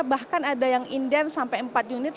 bahkan ada yang inden sampai empat unit